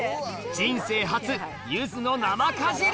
人生初ゆずの生かじり！